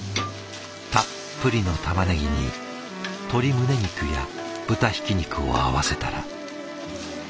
たっぷりのたまねぎに鶏胸肉や豚ひき肉を合わせたら。